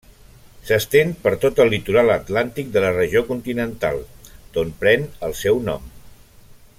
S'estén per tot el litoral Atlàntic de la regió continental, d'on pren el seu nom.